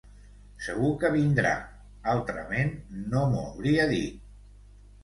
Segur que vindrà; altrament, no m'ho hauria dit.